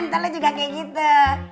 ntar lo juga kayak gitu